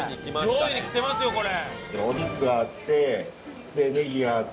上位にきてますよこれ。